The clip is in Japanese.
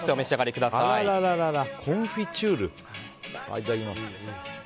いただきます。